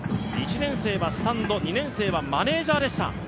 １年生はスタンド、２年生はマネージャーでした。